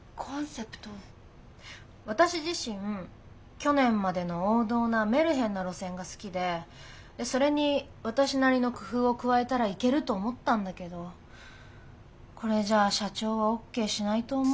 私自身去年までの王道なメルヘンな路線が好きでそれに私なりの工夫を加えたらいけると思ったんだけどこれじゃあ社長はＯＫしないと思う。